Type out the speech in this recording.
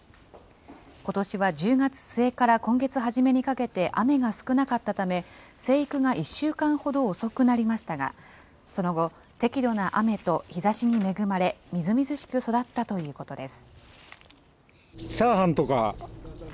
ことしは１０月末から今月初めにかけて雨が少なかったため、生育が１週間ほど遅くなりましたが、その後、適度な雨と日ざしに恵まれ、みずみずしく育ったということです。